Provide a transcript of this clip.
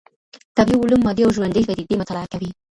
طبيعي علوم مادي او ژوندۍ پديدې مطالعه کوي.